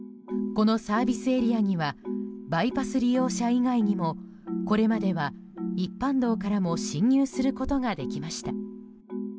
このサービスエリアにはバイパス利用者以外にもこれまでは一般道からも進入することができました。